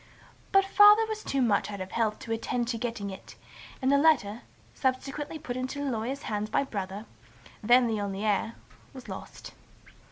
But Father was too much out of health to attend to the getting it; and the letter, subsequently put into a lawyer's hands by Brother, then the only heir, was lost.